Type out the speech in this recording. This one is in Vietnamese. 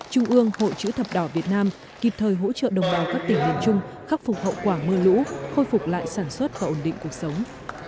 trung ương hội chữ thập đỏ việt nam kịp thời hỗ trợ đồng bào các tỉnh miền trung khắc phục hậu quả mưa lũ khôi phục lại sản xuất và ổn định cuộc sống